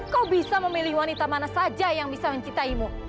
kau bisa memilih wanita mana saja yang bisa mencintaimu